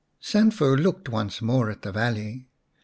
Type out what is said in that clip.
Sanfu looked once more at the valley.